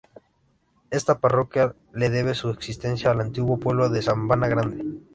Esta parroquia le debe su existencia al antiguo pueblo de Sabana Grande.